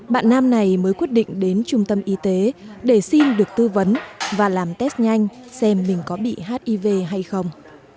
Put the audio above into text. bạn nam này mới quyết định đến trung tâm y tế để xin được tư vấn và làm test nhanh xem mình có bị hiv hay không